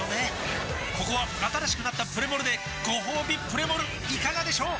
ここは新しくなったプレモルでごほうびプレモルいかがでしょう？